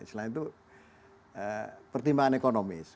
selain itu pertimbangan ekonomis